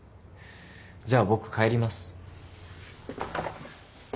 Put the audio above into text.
じゃあ僕帰ります。